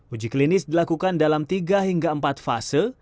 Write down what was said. uji klinis dilakukan dalam tiga hingga empat fase